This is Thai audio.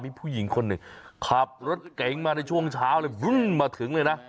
มีผู้หญิงคนหนึ่งขับรถเก๋งมาในช่วงเช้าเลยวึ่นมาถึงเลยนะ